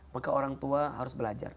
maka orang tua harus belajar